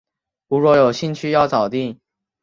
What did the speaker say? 如果有兴趣要早定